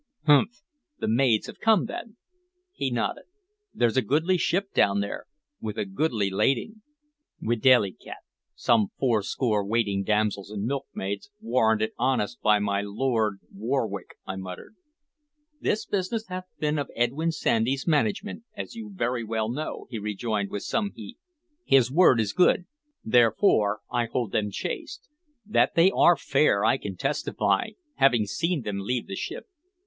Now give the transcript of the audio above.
"Humph! The maids have come, then?" He nodded. "There's a goodly ship down there, with a goodly lading." "Videlicet, some fourscore waiting damsels and milkmaids, warranted honest by my Lord Warwick," I muttered. "This business hath been of Edwyn Sandys' management, as you very well know," he rejoined, with some heat. "His word is good: therefore I hold them chaste. That they are fair I can testify, having seen them leave the ship."